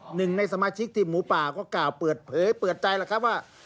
หนึ่งในสมาชิกทีมหมูป่าก็กล่าวเปิดเผยเปิดใจแล้วครับว่า